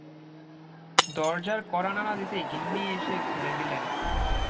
দরজার কড়া নাড়া দিতেই গিন্নি এসে খুলে দিলেন।